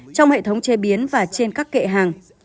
trong hệ thống chế biến và trên các kệ hàng